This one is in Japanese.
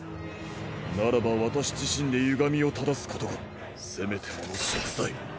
ならば私自身でゆがみを正すことがせめてもの贖罪。